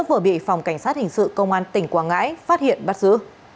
vừa bị phòng cảnh sát hình sự công an tỉnh quảng ngãi phát hiện bắt giữ